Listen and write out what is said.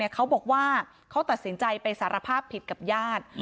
เขาบอกว่าเขาตัดสินใจไปสารภาพผิดกับญาติ